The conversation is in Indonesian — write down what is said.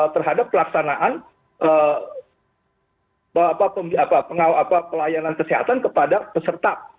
terhadap pelaksanaan pelayanan kesehatan kepada peserta